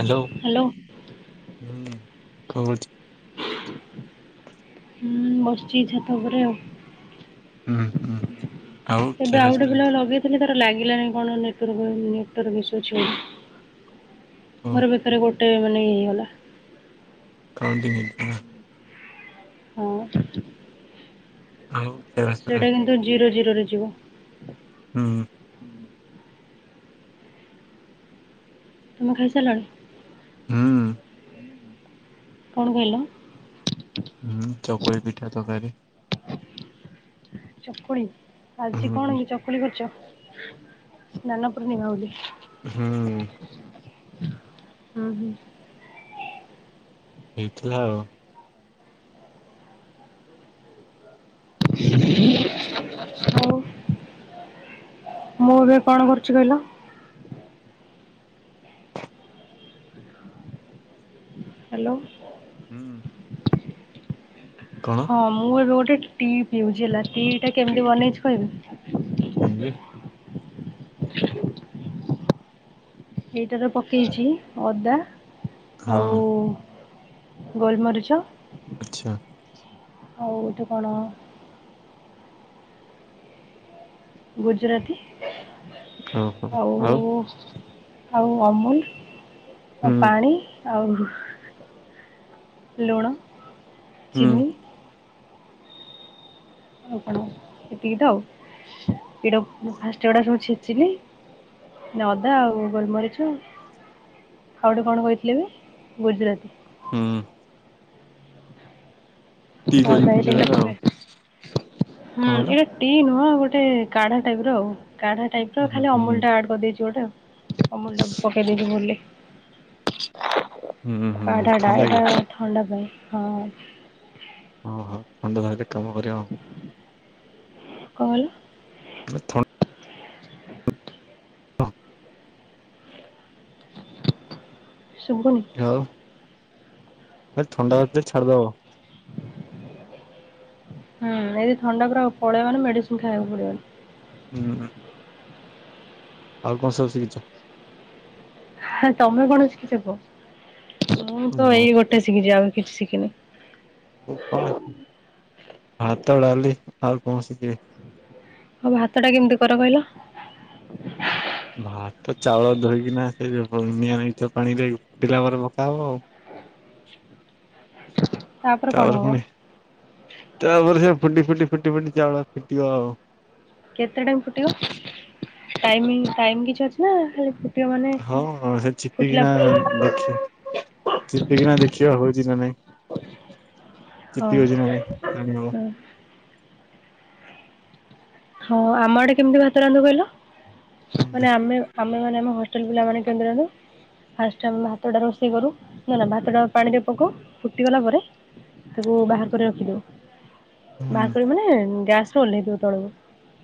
Hello କଣ କରହୁଛୁ? ହ ହୁଁ ବସିଛି ଛାତ ଉପରେ ଆଉ। ହୁଁ ହୁଁ। ଏବେ ଖିଆ ପିଆ ଆଉ ଗୋଟେ ସରିଲାଣି? ପିଲାକୁ ଲଗେଇଥିଲି ତାର ଲାଗିଲାନି କଣ ନେଟୱାର୍କ ନେଟୱାର୍କ ଇସୁ ଅଛି ବୋଲି। ମୋର ଓହୋ ବେକାରେ ଗୋଟେ ମାନେ ଇଏ ହେଇଗଲା। [unintelligible] ହଁ। ଆଉ? ପିଆ ସେଇଟା ସରିଲାଣି? କିନ୍ତୁ ଜିରୋ ଜିରୋ ରେ ଯିବ। ହୁଁ। ତମେ ଖାଇସାରିଲଣି? ହୁଁ। କଣ କହିଲ? ହୁଁ ଚକୁଳି ପିଠା ତକାରୀ। ଚକୁଳି ଆଜି ହୁଁ କଣ କି ଚକୁଳି କରିଚ ସ୍ନାନ ପୂର୍ଣ୍ଣିମା ବୋଲି। ହୁଁ। ଉଁ ହୁଁ। ହେଇଥିଲା ଆଉ। ଆଉ? ମୁଁ ଏବେ କଣ କରୁଛି କହିଲ? ହ୍ୟାଲୋ। ହୁଁ। କଣ? ହଁ ମୁଁ ଏବେ ଗୋଟେ ଟି ପିଉଛି ହେଲା ଟି ଟା କେମିତି ବନେଇଛି କହିବି। କେମିତି? ଏଇଟାର ପକେଇଛି ଅଦା ହଁ। ଆଉ ଗୋଲମରିଚ। ଆଚ୍ଛା। ଆଉ ଗୋଟେ କଣ? ଗୁଜୁରାତି ଆଉ ଆଉ ଅମୁଲ ଆଉ ହୁଁ ପାଣି। ଆହୁହୁ ଲୁଣ ହୁଁ ଚିନି। ଆଉ କଣ ଏତିକି ତ ଆଉ ଏଇଟାକୁ ଫାଷ୍ଟ ଏଗୁଡା ସବୁ ଛେଚିଲି ମାନେ ଅଦା ଆଉ ଗୋଲମରିଚ। ଆଉ ଗୋଟେ କଣ କହିଥିଲେ ବି ଗୁଜୁରାତି। ହୁଁ। ଟି ମୋ କରିକି ଭାଇ ପିଇଛ ଟିନଲା ତାହେଲେ ଆଉ। ପରେ ହୁଁ କଣ କହିଲ? ଏଇଟା ଟି ନୁହଁ ଗୋଟେ କାଢା ଟାଇପ ର ଆଉ। କାଢା ଟାଇପ ର ହୁଁ ଖାଲି ହୁଁ ଅମୁଲ ଟା ଆଡ କରିଦେଇଛି ଗୋଟେ ଅମୁଲ ଟା ପକେଇ ଦେଇଛି ଭୁଲ୍ ରେ। ହୁଁ ହୁଁ କାଢା ଟା ଥଣ୍ଡା କି? ଏଇଟା ଥଣ୍ଡା ପାଇଁ ହଁ। ଓହୋ ଥଣ୍ଡା ଧଇଲେ କାମ କରିବ ଆଉ। କଣ କହିଲ? ମୁଁଏ ଥ [unintelligible] ଶୁବୁନି। ଆଉ ଥଣ୍ଡା ଧରିଥିଲେ ଛାଡ଼ିଦବ। ହୁଁ ଏଦି ଥଣ୍ଡା ପୁରାକୁ ପଳେଇ ମାନେ ମେଡିସିନ ଖାଇବାକୁ ପଡିବନି। ହୁଁ। ଆଉ କଣ ସବୁ ଶିକିିଛ? ତମେ କଣସି କିଛି କୁହ ମୁଁ ତ ଏଇ ମତେ ଗୋଟେ ଶିଖିଛି ଆଉ କିଛି ଶିଖିନି। [inaudible] ଭାତଡାଲି ଆଉ କଣ ଶିଖିବି। ହଉ ଭାତ ଟା କେମିତି କର କହିଲ। ଭାତ ଚାଉଳ ଧୋଇକିନା ସେ ନିଆଛ ପାଣିରେ ଫୁଟିଲା ପରେ ପକା ହବ ଆଉ। କଣ ତାପରେ ହବ? ପୁଣି ତାପରେ ସେ ଫୁଟି, ଫୁଟି, ଫୁଟି, ଫୁଟି ଚାଉଳ ଫିଟିବ ଆଉ। କେତେ ଟାଇମ ଫୁଟିବ ଟାଇମିଙ୍ଗ୍ ଟାଇମ୍ କିଛି ଅଛି। ନା ଖାଲି ଫୁଟିବ ମାନେ ଫୁଟିଲା ଦେଖିବା ଚିପିକିନା ଦେଖିବା ହଉଛି ନା ନାଇଁ। ହଁ ଚିପି ହଉଚି ନା ନାଇଁ ହଁ ହଁ ଆମ ଆଡେ କେମିତି ଭାତ ରାନ୍ଧୁ କହିଲ ମାନେ ଆମେ ଆମେ ମାନେ ଆମ ହଷ୍ଟେଲ ପିଲା ମାନେ କେମିତି ରାନ୍ଧୁ? ଫାଷ୍ଟ ଆମେ ଭାତ ଟା ରୋଷେଇ କରୁ ହେଇଗଲା, ଭାତଟା ପାଣିରେ ପକଉ ଫୁଟିଗଲା ପରେ ତାକୁ ବାହାର କରି ରଖିଦଉ, ହୁଁ ବାହାର କରି ମାନେ ଗ୍ୟାସ୍ ରୁ ଓହ୍ଲେଇ ଦଉ ତଳକୁ।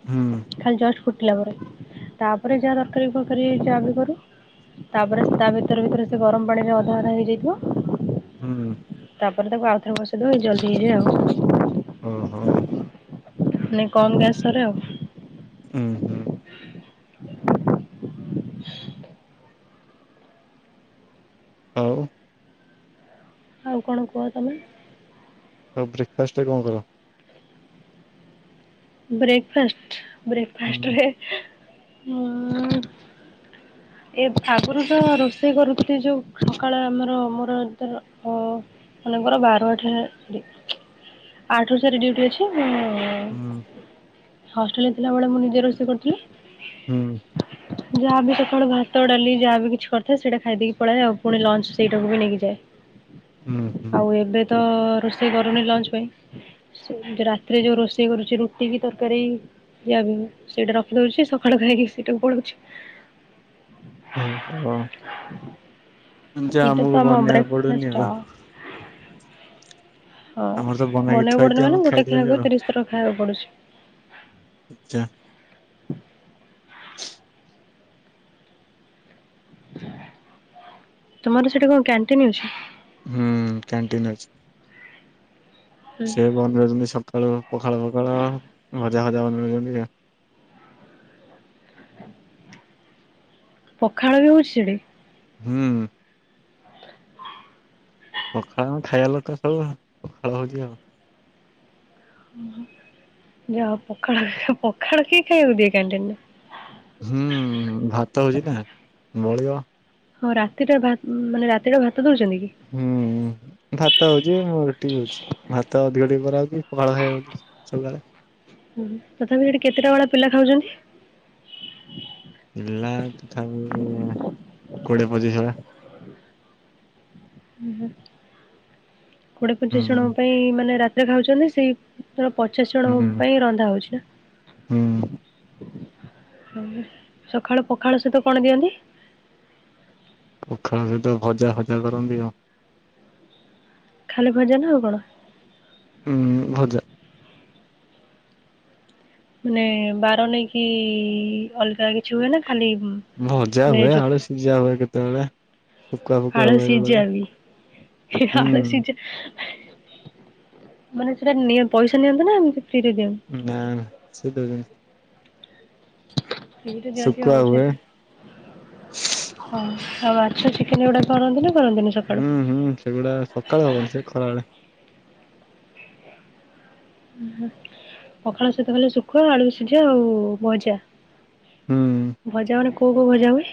ହୁଁ ଖାଲି ଜଷ୍ଟ ଫୁଟିଲା ପରେ, ତାପରେ ଯାହା ତରକାରୀ ଫରକାରୀ ଯାହାବି କରୁ ତାପରେ ତା ଭିତରେ ଭିତରେ ସେ ଗରମ ପାଣି ରେ ଅଧା ଅଧା ହେଇଯାଇଥିବ। ହୁଁ ହୁଁ। ତାପରେ ତାକୁ ଆଉଥରେ ବସେଇଦବା ଏଇ ଜଲ୍ଦି ହେଇଯାଏ ଆଉ। ହୁଁ, ହୁଁ। ନାଇ କମ୍ ଗ୍ୟାସ ସରେ ଆଉ। ହୁଁ, ହୁଁ। ଆଉ। ଆଉ କଣ କୁହ ତମେ? ଆଉ ବ୍ରେକ୍ ଫାଷ୍ଟରେ କଣ ଖାଇବ? ବ୍ରେକ୍ ଫାଷ୍ଟ, ବ୍ରେକ୍ ହୁଁ ଫାଷ୍ଟରେ ଉଁ [unintelligible] ଏ ଫାଗୁରୁ ତ ରୋଷେଇ କରୁଥିଲି ଯୋଉ ସକାଳ ଆମର ମୋର ତୋର ଅ ମାନେମୋର ବାରରୁ ଆଠେ ଡ଼ି, ଆଠରୁ ଚାରି ଡିୟୁଟି ଅଛି ମୁଁ ହୁଁ। ହଷ୍ଟେଲ ଥିଲାବେଳେ ମୁଁ ନିଜେ ରୋଷେଇ କରିଥିଲି। ହୁଁ। ଯାହାବି ସକାଳୁ ଭାତ ଡାଲି ଯାହା ବି କିଛି କରିଥାଏ ସେଇଟା ଖାଇଦେଇକି ପଳାଏ ଆଉ ପୁଣି ଲଞ୍ଚ ସେଇଟାକୁ ବି ନେଇକି ଯାଏ। ହୁଁ ହୁଁ। ଆଉ ଏବେ ତ ରୋଷେଇ କରୁନି ଲଞ୍ଚ ପାଇଁ ସେ ରାତିରେ ଯୋଉ ରୋଷେଇ କରୁଛି ରୁ ଟି କି ତରକାରୀ ଯା ସେଇଟା ରଖିଦଉଛି ସକାଳୁ ଖାଇକି ସେଇଟାକୁ ପଳଉଛି। [inaudible] ହୁଁ କୁହ। ଏଇଟା ତମ ବନେଇବାକୁ ପଡୁନି ଆଉ। ବ୍ରେକଫାଷ୍ଟ। ହଁ ଆମର ତ ବନେଇକି ବନେଇବାକୁ ପଡୁନି ଥୁଆହେଇଥିବ ମାନେ ଆମେ ଗୋଟେ ଖାଇଦଉଛୁ ଖାଇବାକୁ ଆଉ। ତିରିଶ ଥର ଖାଇବାକୁ ପଡୁଛି। ଚା [inaudible] ତୁମର ସେଠି କଣ କ୍ୟାଣ୍ଟିନ ଅଛି? ହୁଁ କ୍ୟାଣ୍ଟିନ୍ ଅଛି। ସେ ବନଉଛନ୍ତି ସକାଳୁ ପଖାଳ ପଖାଳ ଭଜା ଭଜା ବନେଇଛନ୍ତି ଆଉ। ପଖାଳ ବି ହଉଛି ସେଠି। ହୁଁ। ପଖାଳ ଆମେ ଖାଇବା ଲୋକ ସବୁ, ପଖାଳ ହଉଛି ଆଉ। ଉଁ ହୁଁ, ଯାହା ହଉ ପଖାଳ ପଖାଳ କିଏ ଖାଇବକୁ ଦିଏ କ୍ୟାଣ୍ଟିନରେ। ହୁଁ ଭାତ ହଉଛି ନା ବଳିବ। ହଁ ରାତିଟା ଭାତ୍ ମାନେ ରାତିଟା ଭାତ ଦଉଛନ୍ତି କି। ହୁଁ। ଭାତ ହଉଛି ଉଁ ରୁଟି ହଉଛି, ଭାତ ଅଧିକ ଟିକେ କରାହଉଛି ପହାଳ ଖାଇବେ ବୋଲି ସକାଳେ। ହୁଁ ତଥାପି ସେଠି କେତେଟା ଭଳିଆ ପିଲା ଖାଉଛନ୍ତି? ପିଲା ତଥାପି କୋଡିଏ ପଚିଶ ଭଳିଆ। ଉଁ ହୁଁ, କୋଡିଏ ପଚିଶ ଜଣଙ୍କ ହୁଁ ପାଇଁ ମାନେ ରାତିରେ ଖାଉଛନ୍ତି ସେଇ। ଧର ପଚାଶ ହୁଁ। ଜଣଙ୍କ ପାଇଁ ରନ୍ଧା ହଉଛି ନା। ହୁଁ ଆଉ ସଖାଳୁ ପଖାଳ ସହିତ କଣ ଦିଅନ୍ତି? ପଖାଳ ସହିତ ଭଜା ଫଜା କରନ୍ତି ଆଉ। ଖାଲି ଭଜା ନା ଆଉ କଣ। ଉଁ ଭଜା। ମାନେ ବାର ନେଇକି ଅଲଗା କିଛି ହୁଏ ନା ଖାଲି ଉଁ। ଭଜା ହୁଏ ଆଳୁ ସୀଝା ହୁଏ କେତେବେଳେ। ଶୁଖୁଆ ଫୁକୁଆ ଆଳୁ ହୁଏ ବେଳେବେଳେ ସିଜା ହୁଏ ଆଳୁ ହୁଁ ସିଜା। ମାନେ ସେଇଟା ନିଅ ପଇସା ନିଅନ୍ତୁ ନା ଏମିତି ଫ୍ରିରେ ଦିଅନ୍ତି। ନା ନା ସେ ଦଉଛନ୍ତି। ଫ୍ରିରେ‌ ଦିଅନ୍ତି ଶୁଖୁଆ ଆଉ ହୁଏ ସେଇଥି ପାଇଁ। ହଁ ଆଉ ମାଛ ଚିକେନ ଏଗୁଡା କରନ୍ତି ନା କରନ୍ତିନି ହୁଁ ସକାଳୁ। ହୁଁ ସେଗୁଡା ସକାଳେ ହବନି ସେଇ ଖରା ବେଳେ। ପଖାଳ ସହିତ ଖାଲି ଶୁଖୁଆ ଆଳୁ ସିଝା ଆଉ ଭଜା। ହୁଁ ଭଜା ମାନେ କୋଉ କୋଉ ଭଜା ହୁଏ।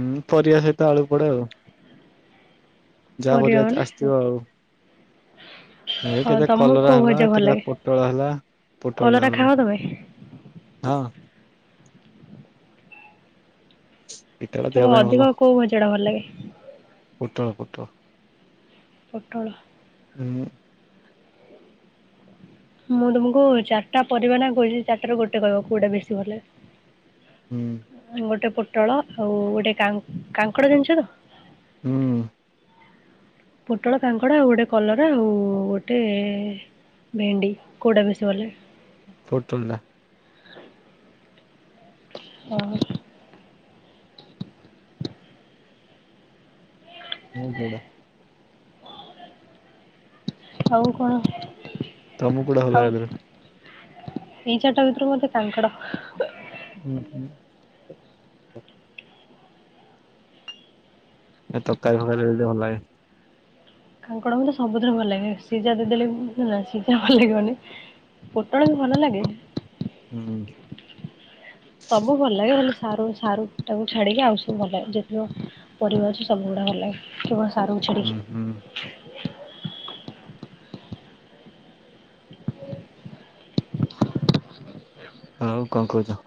ଉଁ ପରିବା ସହିତ ଆଳକୁ ପଡେ ଆଉ। ଯାହା ପରିବା ତ ଆସିଥିବ ଆଉ। ଏଇ ହଁ କେବେ ତମକୁ କଲରା କୋଉ ହେଲା ଭଜା ଭଲ କେବେ ଲାଗେ? ପୋଟଳ ହେଲା ପୋଟଳ ଟା କଲରା ଭଲ ଖାଅ ଲାଗେ। ତମେ? ହଁ। ହଁ ତୁମକୁ ଅଧିକ କୋଉ ଭଜା ଟା ଭଲ ଲାଗେ। ପୋଟଳ ପୋଟଳ। ପୋଟଳ। ଉଁ। ମୁଁ ତୁମକୁ ଚାରିଟା ପରିବା ନା କହିବି ତା ‌ଭିତରୁ ଗୋଟେ କହିବ କୋଉଟା ବେଶୀ ଭଲ ଲାଗେ। ହୁଁ। ଗୋଟେ ପୋଟଳ ଆଉ ଗୋଟେ କାଙ୍କ‌ କାଙ୍କଡ଼ ଜାଣିଛ ତ। ହୁଁ। ପୋଟଳ କାଙ୍କଡ ଆଉ ଗୋଟେ କଲର ଆଉ ଗୋଟେ। ଭେଣ୍ଡି କୋଉଟା ବେସି ଭଲ ଲାଗେ। ପୋଟଳ‌ ଟା। ଓ ହ। ତୁମୁକୁ କୋଉଟା। ଆଉ କଣ ତମକୁ କୋଉଟା ଭଲ ଲାଗେ ଆଉ। ତା ଦେହରୁ ଏଇ ଚାରିଟା ଭିତରୁ ମତେ କାଙ୍କଡ଼ ହୁଁ ହୁଁ। ଏ ତରକାରୀ ଫକରି ହେଲେ ଭଲ ଲାଗେ। କାଙ୍କଡ଼ ମତେ ସବୁଥିରେ ଭଲ ଲାଗେ ସିଝା ଦେଇଦେଲେ, [unintelligible] ସିଝା ଭଲ ଲାଗିବନି। ପୋଟଳ ବି ଭଲ ଲାଗେ। ହୁଁ। ସବୁ ଭଲ ଲାଗେ। ହେଲେ ସରୁ ସାରୁ ଟାକୁ ଛାଡିକି ଆଉ ସବୁ ଭଲ ଲାଗେ। ଯେତେ ପରିବାରଅଛି ସବୁ ଗୁଡା ଭଲ ଲାଗେ, କେବଳ ସାରୁକୁ ହୁଁ ଛିଡିକି। ହୁଁ। ହଉ କଣ କହୁଛ?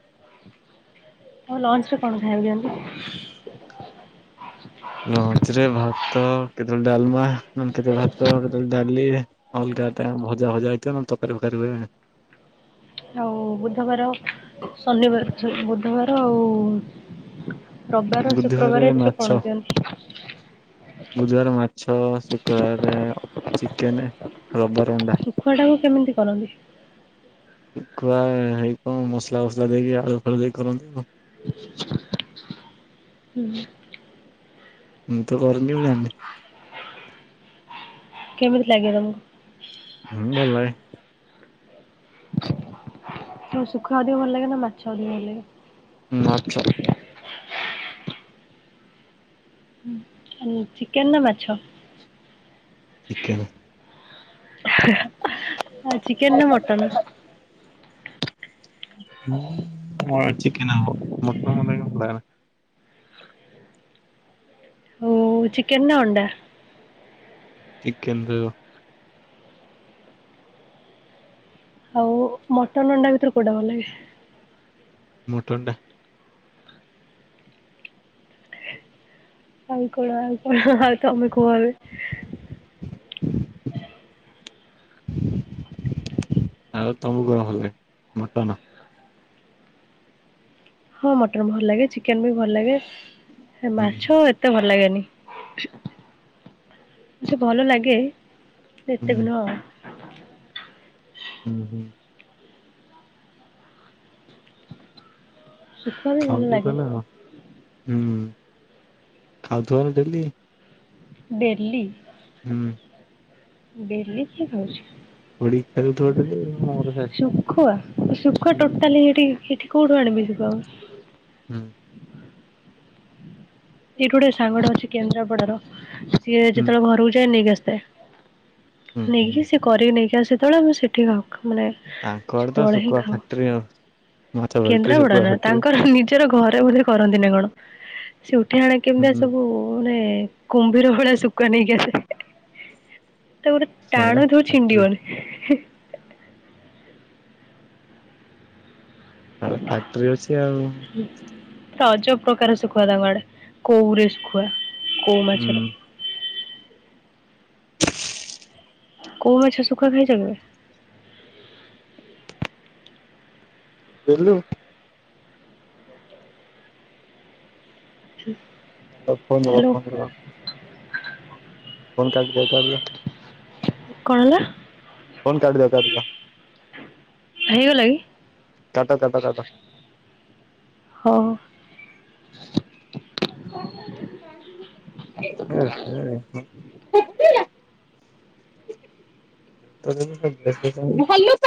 ହଉ ଲଞ୍ଚ ରେ କଣ ଖାଇବ [unintelligible] ଲଞ୍ଚ ରେ ଭାତ କେତେବେଳେ ଡାଲମା। ନହେଲେ [unintelligible] ଭାତ [unintelligible] ଡାଲି ଅଲଗା ଟା ଭଜା ଭଜା ହେଇଥୀବେ ନହେଲେ ତରକାରୀ ଫକାରୀ ହୁଏ। ଆଉ ବୁଧବାର [unintelligible] ବୁଧବାର ଆଉ। ରବିବାର ବୁଧବାରେ ଶୁକ୍ରବାର ଏଥିରୁ କଣ ଦିଅନ୍ତି? ଗୁଧବାର ମାଛ, ଶୁକ୍ରବାର ଚିକେନ, ରବାର ଅଣ୍ଡା। [unintelligible] କେମିତି କରନ୍ତି? ଖୁଆ ହେଇ କଣ ମସଲା ଫସଲା ଦେଇକି ଆଳୁ ଫାଳୁ ଦେଇ କରନ୍ତିୁ ଆଉ। [inaudible] ହୁଁ। ମୁଁ ତ କରିନି ମୁ ଜାଣି। କେମିତି ଲାଗେ ତାମକୁ? ହୁଁ ଭଲ ଲାଗେ। [unintelligible] ଶୁଖାଆ ଅଧିକ ଭଲ ଲାଗେ ନା ମାଛ ଆଧିକ ଭଲ ଲାଗେ? ଉଁ ମାଛ। [unintelligible] ଚିକେନ ନା ମାଛ? ଚିକେନ। [unintelligible] ଚିକେନ ନା ମଟନ୍? [unintelligible] ହୁଁ ଚିକେନ ଆଉ [unintelligible] ଓ ଚିକନ ନା ଅଣ୍ଡା? ଚିକେନ [unintelligible] ଆଉ ମଟର ଅଣ୍ଡା ଭିତରୁ କୋଉଟା ଭଲ ଲାଗେ। ମଟନ୍ ଟା। [unintelligible] ଆଉ ତମକୁ କଣ ଭଲ ଲାଗେ? ମଟନ। ହଁ ମଟନ ଭଲ ଲାଗେ ଚିକେନ ବି ଭଲ ଲାଗେ। [unintelligible] ହୁଁ ମାଛ ଏତେ ଭଲ ଲାଗେନି। [unintelligible] ଭଲ ଲାଗେ ଏତେ ବି ହୁଁ ନୁହଁ। ହୁଁ ହୁଁ। ଶୁଖୁଆ ବି [unintelligible] ଭଲ ଖାଉଥିବ ଲାଗେ ତ ଡେଲି। ଡେଲି। ହୁଁ। ଡେଲି କିଏ ପୋଡିକି ଖେଳୁଥିବ ଖାଉଛି। ଡେଲି ମୋର ସେ ଶୁଖୁଆ, ଶୁଖୁଆ ହୁଁ ଟୋଟାଲି ଏଠି ଏଠି କଉଠୁ ଆଣିବି [unintelligible] ହୁଁ। ଏଇଠୁ ଗୋଟେ ସାଙ୍ଗ ଟେ ଅଛି କେନ୍ଦ୍ରାପଡା ସିଏ ହୁଁ ଯେତେବେଳେ ଘରକୁ ଯାଏ ନେଇକି ଆସିଥାଏ। ହୁଁ ହୁଁ ନେଇକି ସିଏ କରେଇ ନେଇକି ଆ ସେତେଳେ ମୁଁ ଆଉ ସେଠିକି ହ ମାନେ ତାଙ୍କ ଆଡେ ତ ସେତେବେଳେ ହିଁ ଶୁଖୁଆ ଖାଉ। ଫ୍ୟାକ୍ଟ୍ରି ଆଉ ମାଛ ଫ୍ୟାକ୍ଟ୍ରି ଶୁଖୁଆ କେନ୍ଦ୍ରାପଡାର ଫ୍ୟାକ୍ଟ୍ରି ତାଙ୍କର ନି- - ଜର ଘରେ ବୋଧେ କରନ୍ତି ନା କଣ? ଏଠି ଆଣେ କେମିତିଆ ହୁଁ ସବୁ ମାନେ କୁମ୍ଭୀର ଭଳିଆ ଶୁକୁଆ ନେଇକି ଆସେ। ତ ଗୋଟେ ସିଆଡେ ଟାଣ ଦଉ ଫ୍ୟାକ୍ଟ୍ରି ଛିଣ୍ଡିବନି? ତାଙ୍କ ଫାକ୍ଥିରି ଅଛି ଆଉ। ପୁରା ଅଜବ ପ୍ରକାର ଶୁଖୁଆ ତାଙ୍କ ଆଡେ କୋଉରେ ଶୁଖୁଆ କୋଉ ହୁଁ ମାଛର। କୋଉ ମାଛ ଶୁଖୁଆ ଖାଇଚ କେବେ? [unintelligible] [unintelligible] ହୁଁ [unintelligible] ଫୋନ୍ କାଟି ଦେ ଆଉ ତା ବିଲେ। କଣ ହେଲା? ଫୋନ୍ କାଟ ଦେଉ [unintelligible] ହେଇଗଲା କି? ତା ତା ତା ତା ତା। ହଉ [unintelligible] [unintelligible] [unintelligible]